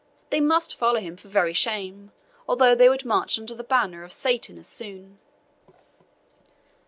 They must follow him for very shame, although they would march under the banner of Satan as soon."